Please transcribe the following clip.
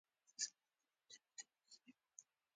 د مریم درانۍ پېژندنه په دوه زره ديارلسم کال کې وشوه.